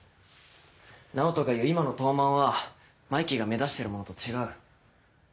ナオトが言う今の東卍はマイキーが目指してるものと違う。